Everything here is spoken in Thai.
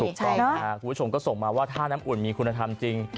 คุณผู้ชมก็ส่งมาว่าถ้าน้ำอุ่นมีคุณธรรมจริง